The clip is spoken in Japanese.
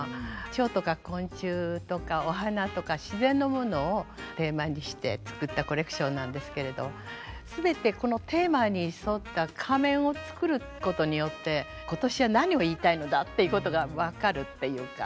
蝶とか昆虫とかお花とか自然のものをテーマにして作ったコレクションなんですけれど全てこのテーマに沿った仮面を作ることによって今年は何を言いたいのだっていうことが分かるっていうか。